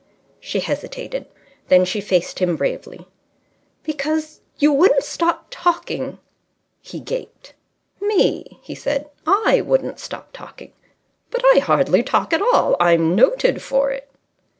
She hesitated. Then she faced him bravely. "Because you wouldn't stop talking." He gaped. "Me!" he said. "I wouldn't stop talking! But I hardly talk at all. I'm noted for it."